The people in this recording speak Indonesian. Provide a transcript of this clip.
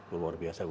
luar biasa bu